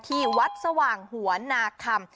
ที่วัดสว่างหัวนาคำ